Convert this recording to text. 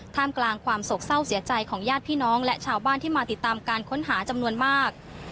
ท่ามกลางความโศกเศร้าเสียใจของญาติพี่น้องและชาวบ้านที่มาติดตามการค้นหาจำนวนมาก